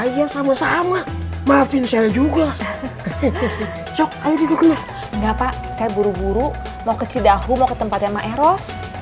iya sama sama maafin saya juga enggak pak saya buru buru mau ke cidahu mau ke tempatnya maeros